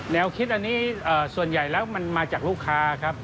แนวคิดอันนี้ส่วนใหญ่แล้วมันมาจากลูกค้าครับ